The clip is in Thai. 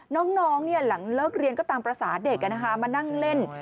น้องหลังเลิกเรียนก็ตามภาษาเด็กมานั่งเล่น